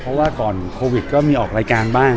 เพราะว่าก่อนโควิดก็มีออกรายการบ้าง